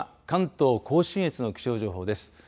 関東甲信越の気象情報です。